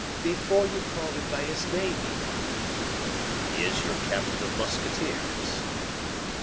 "Before you called him by his name, even." "He is your captain of musketeers."